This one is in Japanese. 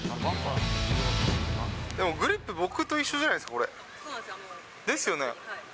でもグリップ僕と一緒じゃないですか、これ。ですよね。